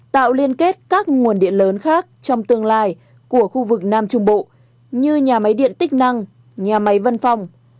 tạo liên kết các nguồn điện lớn khác trong tương lai của khu vực nam trung bộ như nhà máy điện tích năng nhà máy văn phòng